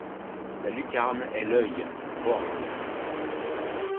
La lucarne est l’œil, borgne.